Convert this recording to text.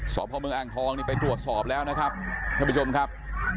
สอบพ่อเมืองอ่างทองนี่ไปตรวจสอบแล้วนะครับท่านผู้ชมครับ